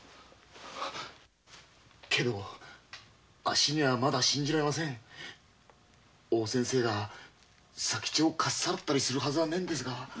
あっしにはまだ信じられません大先生が佐吉をかっさらったりするはずはねぇんですが。